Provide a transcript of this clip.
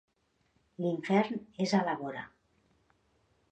L'infern és a la vora.